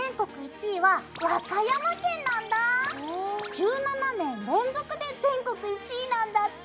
１７年連続で全国１位なんだって。